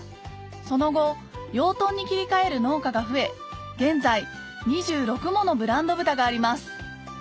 その後養豚に切り替える農家が増え現在２６ものブランド豚があります